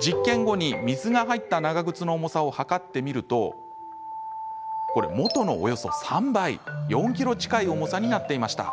実験後に水が入った長靴の重さを量ってみると元のおよそ３倍４ｋｇ近い重さになっていました。